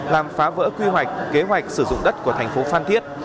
làm phá vỡ quy hoạch kế hoạch sử dụng đất của tp phan thiết